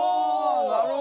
なるほど！